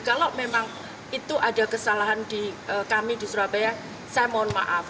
kalau memang itu ada kesalahan di kami di surabaya saya mohon maaf